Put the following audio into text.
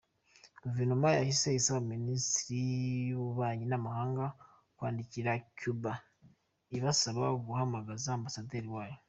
Guverinoma yahise isaba Minisiteri y’ububanyi n’amahanga kwandikira Cuba ibasaba guhamagaza Ambasaderi wayo.